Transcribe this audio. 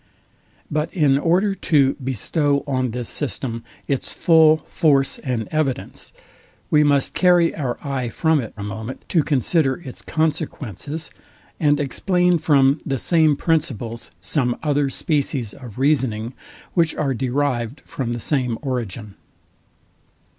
But in order to bestow on this system its full force and evidence, we must carry our eye from it a moment to consider its consequences, and explain from the same principles some other species of reasoning, which are derived from the same origin.